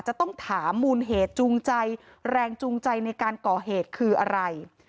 จะต้องถามมูลเหตุจูงใจแรงจูงใจในการก่อเหตุคืออะไร